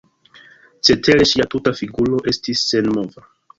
Cetere ŝia tuta figuro estis senmova.